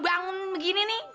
udah bangun begini nih